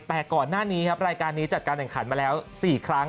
แต่ก่อนหน้านี้ครับรายการนี้จัดการแข่งขันมาแล้ว๔ครั้ง